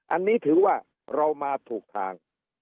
อันนี้ถือว่าเรามาถูกทาง